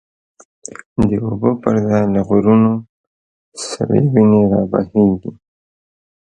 د اوبو پر ځای له غرونو، سری وینی را بهیږی